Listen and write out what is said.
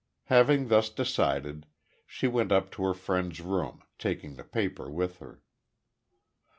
Having thus decided, she went up to her friend's room, taking the paper with her.